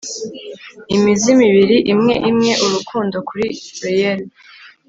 imizimu ibiri imwe-imwe, urukundo kuri reel